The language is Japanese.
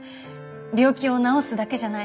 病気を治すだけじゃない。